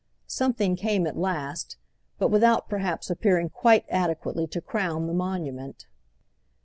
Something came at last, but without perhaps appearing quite adequately to crown the monument.